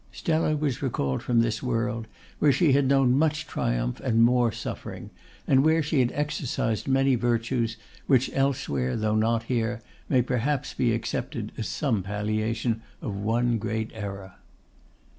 Stella was recalled from this world, where she had known much triumph and more suffering; and where she had exercised many virtues, which elsewhere, though not here, may perhaps be accepted as some palliation of one great error.